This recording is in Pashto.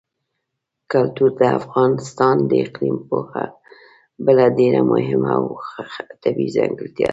کلتور د افغانستان د اقلیم یوه بله ډېره مهمه او طبیعي ځانګړتیا ده.